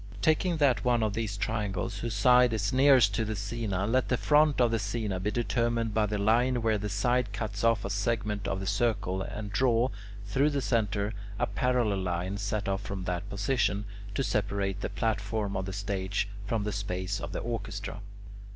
Taking that one of these triangles whose side is nearest to the scaena, let the front of the scaena be determined by the line where that side cuts off a segment of the circle (A B), and draw, through the centre, a parallel line (C D) set off from that position, to separate the platform of the stage from the space of the orchestra.